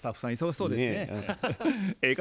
そうですか？